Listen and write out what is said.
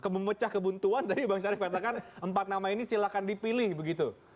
memecah kebuntuan tadi bang syarif katakan empat nama ini silahkan dipilih begitu